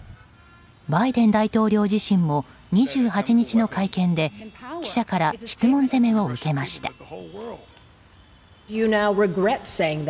バイデン大統領自身も２８日の会見で記者から質問攻めを受けました。